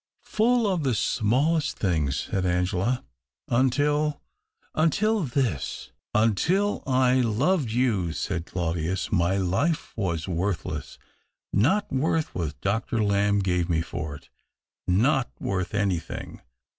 " Full of the smallest things," said Angela, " until — until this." "Until I loved you," said Claudius, "my life was worthless — not worth what Dr. Lamb gave me for it — not worth anything."